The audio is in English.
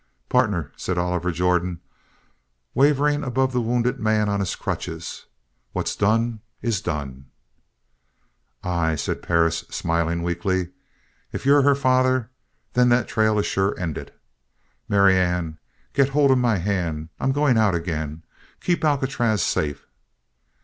"Partner," said Oliver Jordan, wavering above the wounded man on his crutches, "what's done is done." "Ay," said Perris, smiling weakly, "if you're her father that trail is sure ended. Marianne get hold of my hand I'm going out again ... keep Alcatraz safe...."